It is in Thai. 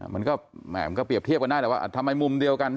มันก็เปรียบเทียบกันได้แต่ว่าทำไมมุมเดียวกัน